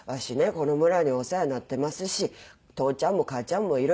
この村にお世話になってますし父ちゃんも母ちゃんもいる。